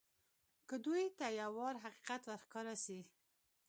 که دوى ته يو وار حقيقت ورښکاره سي.